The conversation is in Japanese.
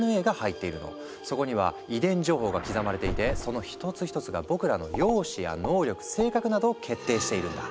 そこには遺伝情報が刻まれていてその１つ１つが僕らの容姿や能力性格などを決定しているんだ。